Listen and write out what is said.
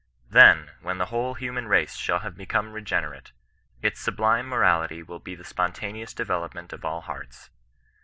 Then, when the whole human race shall have become regenerate, its sublime morality will be the spontaneous development of all hearts.